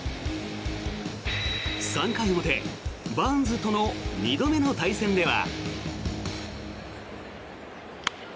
３回表、バーンズとの２度目の対戦では。